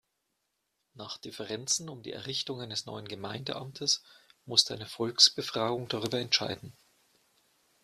Nach Differenzen um die Errichtung eines neuen Gemeindeamtes musste eine Volksbefragung darüber entscheiden.